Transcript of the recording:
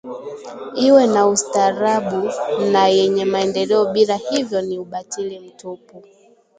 iwe na ustaarabu na yenye maendeleo bila hivyo ni ubatili mtupu